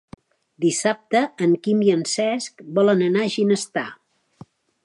Dissabte en Quim i en Cesc volen anar a Ginestar.